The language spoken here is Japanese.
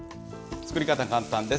作り方簡単です。